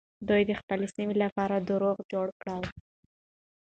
دوی د خپلې سيمې لپاره دروغ جوړ کړل.